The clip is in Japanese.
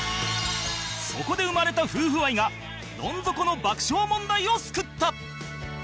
そこで生まれた夫婦愛がどん底の爆笑問題を救った